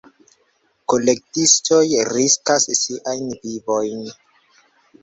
Kolektistoj riskas siajn vivojn.